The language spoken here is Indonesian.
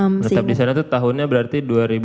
menetap di sana itu tahunnya berarti dua ribu dua